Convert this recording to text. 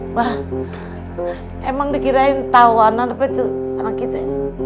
abah memang dikira tahu anak tapi itu anak kita